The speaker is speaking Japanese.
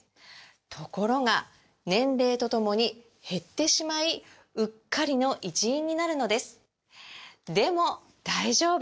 ところが年齢とともに減ってしまいうっかりの一因になるのですでも大丈夫！